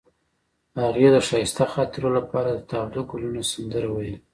هغې د ښایسته خاطرو لپاره د تاوده ګلونه سندره ویله.